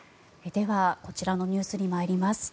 ではこちらのニュースに参ります。